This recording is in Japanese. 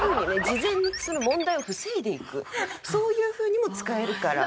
事前に問題を防いでいくそういうふうにも使えるから。